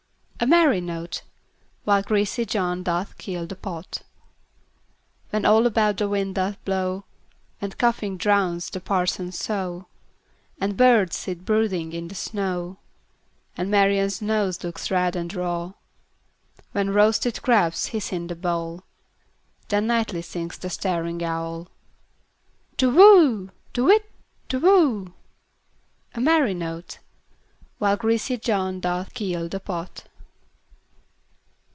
A merry note! While greasy Joan doth keel the pot. When all about the wind doth blow, And coughing drowns the parson's saw, And birds sit brooding in the snow, And Marian's nose looks red and raw; When roasted crabs hiss in the bowl—Then nightly sings the staring owlTu whoo! To whit, Tu whoo! A merry note! While greasy Joan doth keel the pot.